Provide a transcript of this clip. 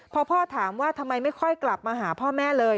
พอพ่อถามว่าทำไมไม่ค่อยกลับมาหาพ่อแม่เลย